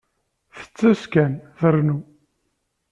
Tettess kan, trennu.